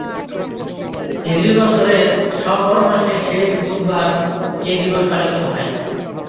হিজরি বছরের সফর মাসের শেষ বুধবার এ দিবস পালিত হয়।